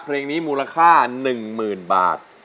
เพลงนี้มูลค่า๑๐๐๐บาท